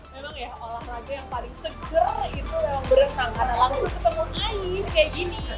memang ya olahraga yang paling seger itu memang berenang karena langsung ketemu air kayak gini